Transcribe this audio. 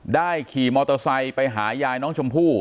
ขี่มอเตอร์ไซค์ไปหายายน้องชมพู่